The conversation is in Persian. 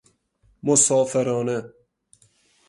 مسافرانه